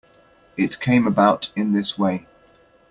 It came about in this way.